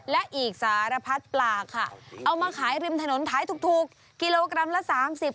และอีกสารพัดปลาค่ะเอามาขายริมถนนขายถูกกิโลกรัมละสามสิบ